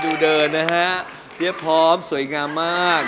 ดูเดินนะฮะเรียบพร้อมสวยงามมาก